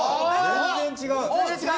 全然違う。